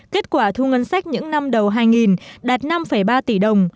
kết quả thu ngân sách những năm đầu hai nghìn đạt năm ba tỷ đồng